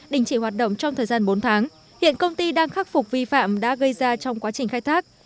đình chỉ hoạt động trong thời gian bốn tháng hiện công ty đang khắc phục vi phạm đã gây ra trong quá trình khai thác